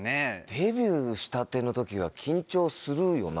デビューしたての時は緊張するよな。